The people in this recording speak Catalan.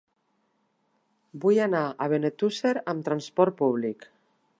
Vull anar a Benetússer amb transport públic.